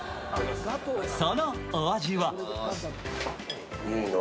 そのお味は？